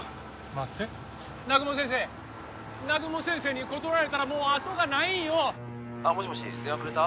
待って南雲先生南雲先生に断られたらもう後がないんよ☎あっもしもし電話くれた？